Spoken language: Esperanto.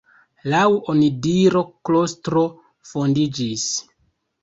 Laŭ onidiro klostro fondiĝis.